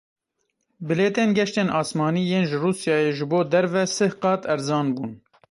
Bilêtên geştên asmanî yên ji Rûsyayê ji bo derve sih qat erzan bûn.